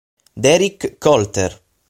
Derrick Colter